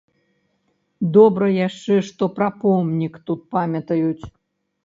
Добра яшчэ, што пра помнік тут памятаюць.